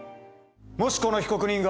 もしこの被告人が。